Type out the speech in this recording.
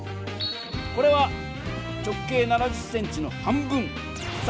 これは直径７０ｃｍの半分。